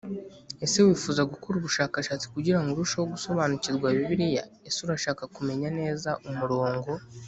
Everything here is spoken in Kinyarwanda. Ese wifuza gukora ubushakashatsi kugira ngo urusheho gusobanukirwa bibiliya ese urashaka kumenya neza umurongo